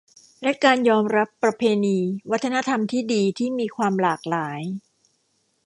และการยอมรับประเพณี วัฒนธรรมที่ดีที่มีความหลากหลาย